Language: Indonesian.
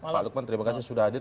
pak lukman terima kasih sudah hadir